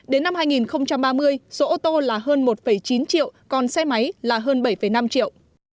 đến năm hai nghìn ba mươi số ô tô là hơn một chín triệu còn xe máy là hơn bảy năm triệu